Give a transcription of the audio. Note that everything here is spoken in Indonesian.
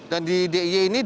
dan di diy ini diangkat